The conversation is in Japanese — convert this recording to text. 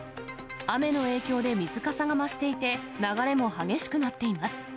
雨の影響で水かさが増していて、流れも激しくなっています。